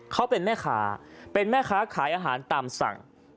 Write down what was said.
เขาเป็นแม่ค้าเป็นแม่ค้าขายอาหารตามสั่ง